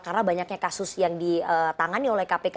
karena banyaknya kasus yang ditangani oleh kpk